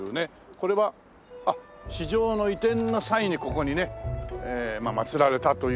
これはあっ市場の移転の際にここにね祭られたという事なんですけどね。